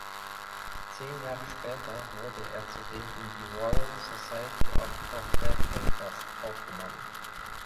Zehn Jahre später wurde er zudem in die Royal Society of Portrait Painters aufgenommen.